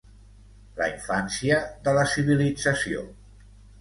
La infància de la civilització.